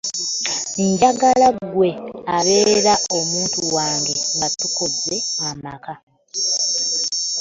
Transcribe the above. Njagala gwe abeera omuntu wange nga tukoze amaka.